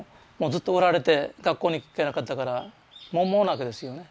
ずっと売られて学校に行けなかったから文盲なわけですよね